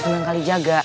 sungguhan kali jaga